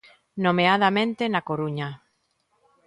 Nomeadamente na Coruña.